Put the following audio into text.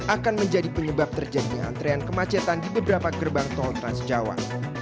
akan menjadi penyebab terjadinya antrean kemacetan di beberapa gerbang tol trans jawa